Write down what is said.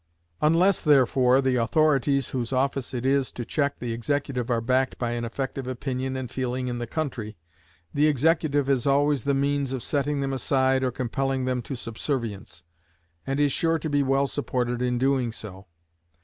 Unless, therefore, the authorities whose office it is to check the executive are backed by an effective opinion and feeling in the country, the executive has always the means of setting them aside or compelling them to subservience, and is sure to be well supported in doing so.